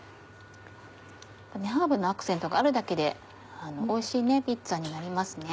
ハーブのアクセントがあるだけでおいしいピッツァになりますね。